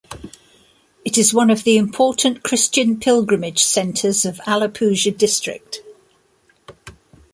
It is one of the important Christian pilgrimage centers of Alappuzha district.